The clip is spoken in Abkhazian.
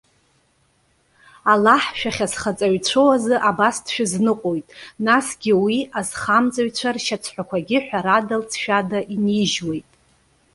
Аллаҳ шәахьазхаҵаҩцәоу азы абас дшәызныҟәоит, насгьы уи, азхамҵаҩцәа ршьацҳәақәагьы ҳәарада, лҵшәада инижьуеит.